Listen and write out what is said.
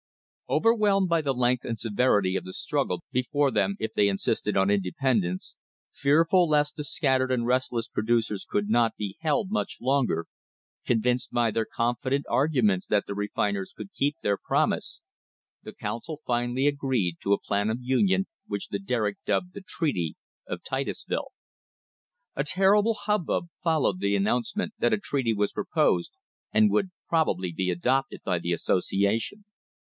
Overwhelmed by the length and severity of the struggle before them if they insisted on independence, fearful lest the scattered and restless producers could not be held much longer, convinced by their confident arguments that the refin ers could keep their promise, the council finally agreed to a plan of union which the Derrick dubbed the "Treaty of Titusville." A terrible hubbub followed the announcement that a treaty was proposed and would probably be adopted by the association.